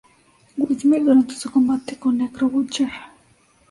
Whitmer durante su combate con Necro Butcher.